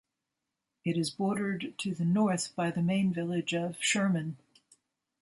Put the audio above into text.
It is bordered to the north by the main village of Sherman.